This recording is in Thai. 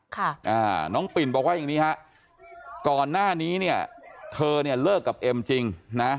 ค่ะอ่าน้องปิ่นบอกว่าอย่างนี้ฮะก่อนหน้านี้เนี่ยเธอเนี่ยเลิกกับเอ็มจริงนะ